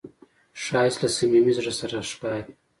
ښایست له صمیمي زړه سره ښکاري